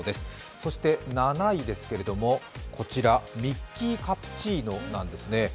そして７位ですけど、ミッキーカプチーノなんですね。